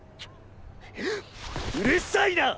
うるさいなぁ！